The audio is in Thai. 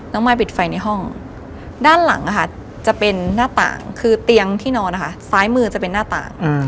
มายปิดไฟในห้องด้านหลังจะเป็นหน้าต่างคือเตียงที่นอนนะคะซ้ายมือจะเป็นหน้าต่าง